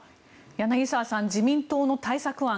柳澤さん、自民党の対策案